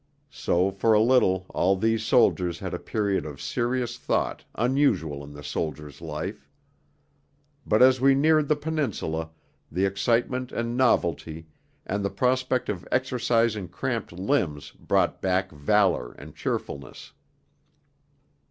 So for a little all these soldiers had a period of serious thought unusual in the soldier's life. But as we neared the Peninsula the excitement and novelty and the prospect of exercising cramped limbs brought back valour and cheerfulness.